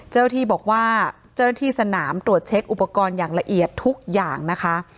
เจ้าหน้าที่บอกว่าเจ้าหน้าที่สนามตรวจเช็คอุปกรณ์อย่างละเอียดทุกอย่างนะคะ